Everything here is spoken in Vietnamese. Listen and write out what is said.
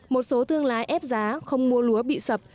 một số thương lái ép giá không mua lúa bị sập